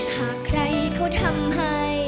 หากใครเขาทำให้